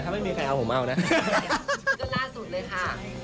ไม่มีใครเอาผมเอานะ